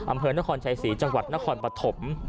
อำเภอนครชัยศรีจังหวัดนครปฐม